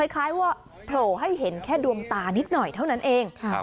คล้ายว่าโผล่ให้เห็นแค่ดวงตานิดหน่อยเท่านั้นเอง